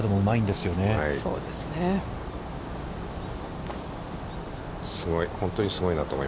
すごい。